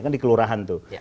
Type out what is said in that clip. kan di kelurahan tuh